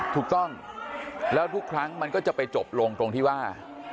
ถูกต้องแล้วทุกครั้งมันก็จะไปจบลงตรงที่ว่า